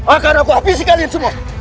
akan aku habisi kalian semua